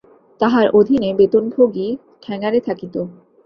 তাঁহার অধীনে বেতনভোগী ঠ্যাঙাড়ে থাকিত।